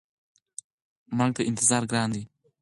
مرګ ته انتظار ګران دی.